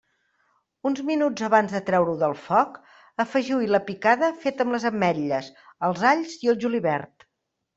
Uns minuts abans de treure-ho del foc, afegiu-hi la picada feta amb les ametlles, els alls i el julivert.